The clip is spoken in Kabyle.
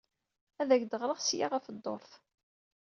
Ad ak-d-ɣreɣ seg-a ɣef dduṛt.